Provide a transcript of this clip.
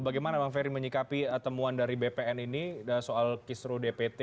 bagaimana bang ferry menyikapi temuan dari bpn ini soal kisru dpt